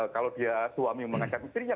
kalau dia suami mengajak istrinya